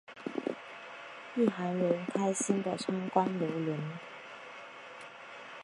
一行人开心的参观邮轮。